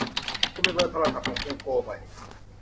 คุณมีเบอร์โทรศัพท์ของฮูโกไหม